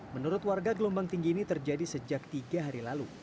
menurut warga gelombang tinggi ini terjadi sejak tiga hari lalu